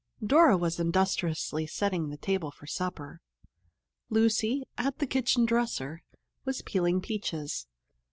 Dora was industriously setting the table for supper. Lucy, at the kitchen dresser, was peeling peaches.